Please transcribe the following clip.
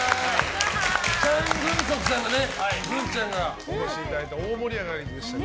チャン・グンソクさんがグンちゃんにお越しいただいて大盛り上がりでしたね。